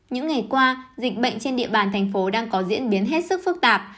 những ngày qua dịch bệnh trên địa bàn thành phố đang có diễn biến hết sức phức tạp